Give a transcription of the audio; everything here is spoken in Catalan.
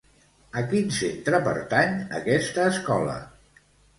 A quin centre pertany aquesta escola?